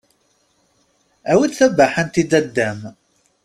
Awi-d tabaḥant i dada-m!